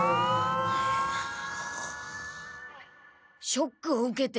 ショックを受けて。